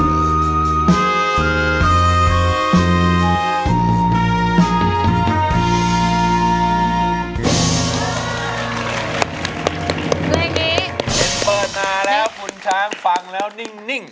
วันนี้เปิดนานแล้วคุณช้างฟังแล้วนิ่ง